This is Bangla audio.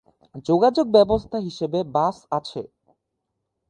যোগাযোগ ব্যবস্থা হিসেবে বাস আছে।